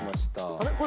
あれ？